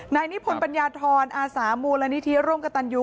นายนิพนภัญญาธรอาสามูรณนิธิร่มกระตันยู